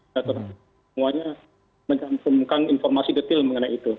dan semuanya mencantumkan informasi detail mengenai itu